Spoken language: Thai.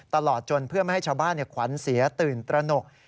ตลอดจนเพื่อไม่ให้ชาวบ้านขวัญเสียตื่นตระหนก